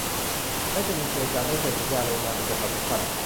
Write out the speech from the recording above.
และจะมีเกณฑ์การได้เซ็นสัญญาลงนามเอกสารสำคัญ